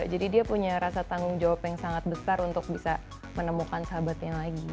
jadi dia punya rasa tanggung jawab yang sangat besar untuk bisa menemukan sahabatnya lagi